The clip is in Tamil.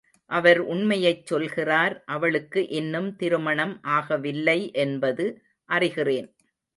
அவர் உண்மையைச் சொல்கிறார், அவளுக்கு இன்னும் திருமணம் ஆகவில்லை என்பது அறிகிறேன்.